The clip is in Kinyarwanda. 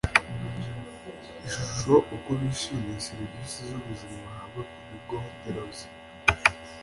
ishusho uko bishimiye serivisi z ubuzima bahabwa ku bigo nderabuzima